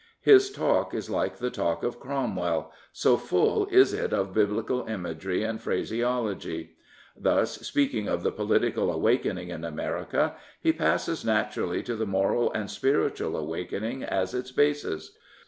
His talk is like the talk of Cromwell, so full is it of Biblical imagery and phrase ology. Thus, speaking of the political awakening in America, he passes naturally to the moral and spiritual awakening as its basis.